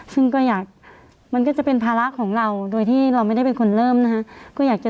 ซึ่งก็อยากมันก็จะเป็นภาระของเราโดยที่เราไม่ได้เป็นคนเริ่มนะฮะ